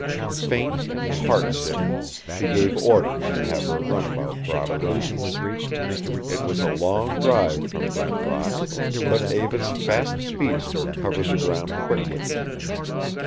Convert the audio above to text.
Faint and heart sick, she gave orders to have her runabout brought around. It was a long drive from Brent Rock, but Eva's fast speedster covered the ground quickly.